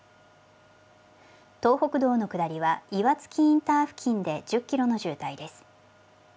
東北道の下りは、いわつきインター付近で１０キロの渋滞です。